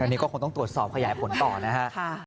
อันนี้ก็คงต้องตรวจสอบขยายผลต่อนะฮะ